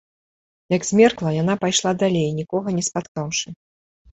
Як змеркла, яна пайшла далей, нікога не спаткаўшы.